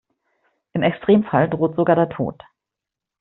Im Extremfall droht sogar der Tod.